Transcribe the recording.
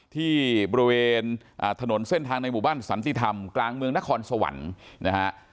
ที่บริเวณถนนเส้นทางในหมู่บ้านสันติธรรมกลางเมืองนครสวรรค์นะฮะ